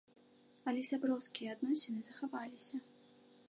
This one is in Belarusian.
Але сяброўскія адносіны захаваліся.